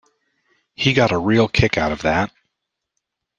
He got a real kick out of that.